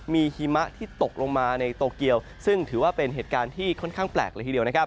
มีหิมะที่ตกลงมาในโตเกียวซึ่งถือว่าเป็นเหตุการณ์ที่ค่อนข้างแปลกเลยทีเดียวนะครับ